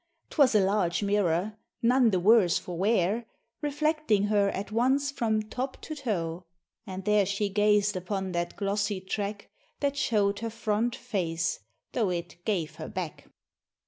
'Twas a large mirror, none the worse for wear, Reflecting her at once from top to toe: And there she gazed upon that glossy track, That show'd her front face tho' it "gave her back."